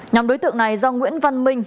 nhóm đối tượng này do nguyễn văn minh